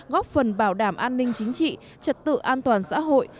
góp phần bảo đảm an ninh chính trị trật tự an toàn xã hội